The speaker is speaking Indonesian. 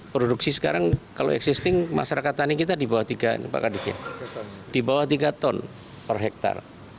produksi sekarang kalau existing masyarakat tani kita di bawah tiga ton per hektare